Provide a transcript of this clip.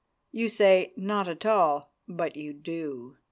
You say: "Not at all," but you do.